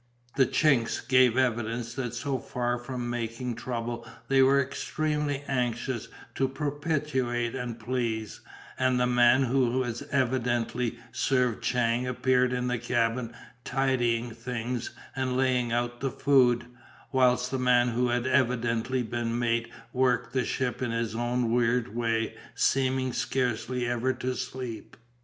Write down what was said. The "Chinks" gave evidence that so far from making trouble they were extremely anxious to propitiate and please, and the man who had evidently served Chang appeared in the cabin tidying things and laying out the food, whilst the man who had evidently been mate worked the ship in his own weird way seeming scarcely ever to sleep.